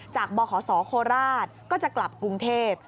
บขศโคราชก็จะกลับกรุงเทพ